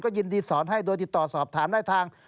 ยินดีสอนให้โดยติดต่อสอบถามได้ทาง